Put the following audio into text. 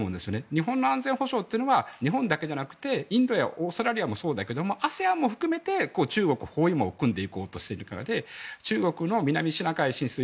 日本の安全保障というのは日本だけじゃなくてインドやオーストラリアもそうだけどもＡＳＥＡＮも含めて中国包囲網を組んでいこうとしているからで中国の南シナ海の進出